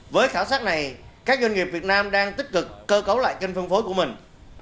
với khảo sát này các doanh nghiệp việt nam đang tích cực cơ cấu lại kênh phân phối của mình